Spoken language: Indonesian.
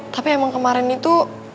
tapi emang kemarin itu